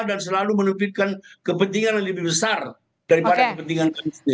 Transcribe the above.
dan selalu menempitkan kepentingan yang lebih besar daripada kepentingan kami sendiri